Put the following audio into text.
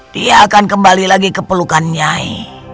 dia akan kembali lagi ke pelukan nyai